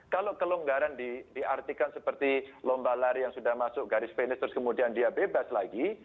kalau kelonggaran diartikan seperti lomba lari yang sudah masuk garis finish terus kemudian dia bebas lagi